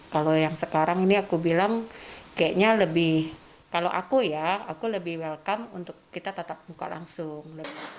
kalau yang sekarang ini aku bilang kayaknya lebih kalau aku ya aku lebih welcome untuk kita tetap buka langsung